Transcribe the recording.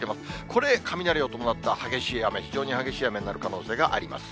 これ、雷を伴った激しい雨、非常に激しい雨になる可能性があります。